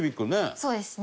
そうですね。